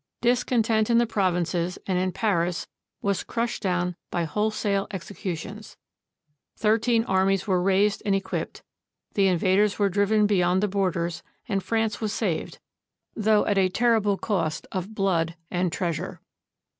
Discontent in the provinces and in Paris was crushed down by wholesale executions. Thirteen armies were raised and equipped, the invaders were driven beyond the borders, and France was saved, though at a terrible cost of blood and treasure.